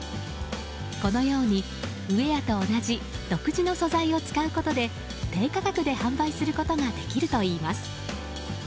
このようにウェアと同じ独自の素材を使うことで低価格で販売することができるといいます。